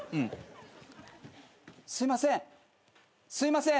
すいません。